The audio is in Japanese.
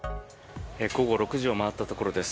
午後６時を回ったところです。